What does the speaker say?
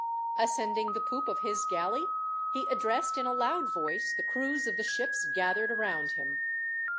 Ascending the poop of his galley, he addressed in a loud voice the crews of the ships gathered around him.